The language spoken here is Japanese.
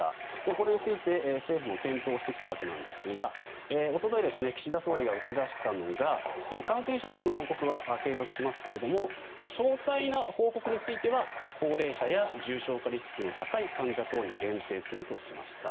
これについて政府も検討してきたわけですが一昨日岸田総理が打ち出したのが感染者数の報告は継続しますが詳細な報告については高齢者や重症化リスクの高い患者等に限定するとしました。